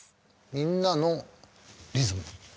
みんなのリズム。